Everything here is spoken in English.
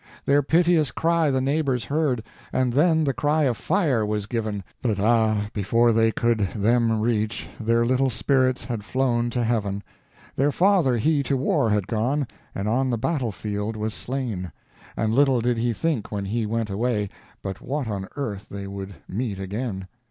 Their piteous cry the neighbors heard, And then the cry of fire was given; But, ah! before they could them reach, Their little spirits had flown to heaven. Their father he to war had gone, And on the battle field was slain; But little did he think when he went away, But what on earth they would meet again.